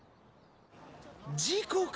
事故か。